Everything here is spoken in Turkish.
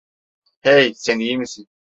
Hey, sen iyi misin?